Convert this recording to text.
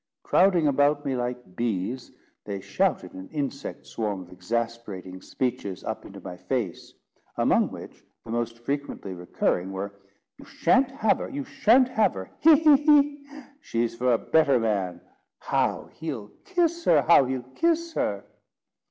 Crowding about me like bees, they shouted an insect swarm of exasperating speeches up into my face, among which the most frequently recurring were—"You shan't have her; you shan't have her; he! he! he! She's for a better man; how he'll kiss her! how he'll kiss her!"